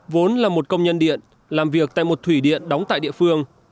vốn là một công nhân điện làm việc tại một thủy điện đóng tại địa phương